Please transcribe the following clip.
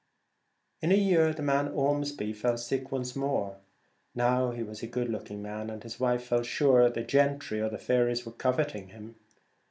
In a year the man Ormsby fell sick once more. Now he was a good looking man, and his wife felt sure the ' gentry were coveting him.